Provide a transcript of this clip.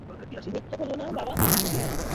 মিথ্যে বোলো না বাবা।